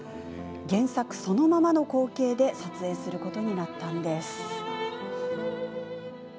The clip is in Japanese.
原作そのままの光景で撮影することになったのです。